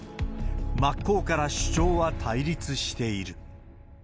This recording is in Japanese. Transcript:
真っ向から主張は対立している。